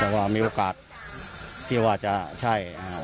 แล้วก็มีโอกาสที่ว่าจะใช่